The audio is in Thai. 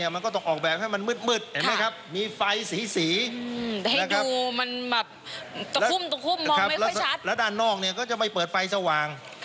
มันก็ต้องออกแบบให้มันมืดมีไฟสีแล้วด้านนอกก็จะไม่เปิดไฟสว่าง